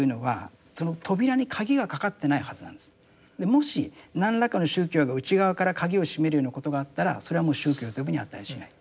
もし何らかの宗教が内側から鍵をしめるようなことがあったらそれはもう宗教と呼ぶに値しない。